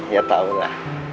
ya tau lah